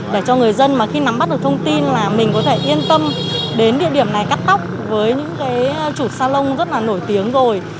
để cho người dân mà khi nắm bắt được thông tin là mình có thể yên tâm đến địa điểm này cắt tóc với những cái trụt salon rất là nổi tiếng rồi